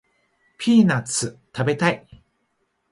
ピーナッツ食べたい